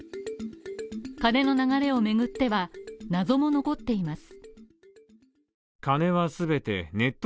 金の流れを巡っては、謎も残っています。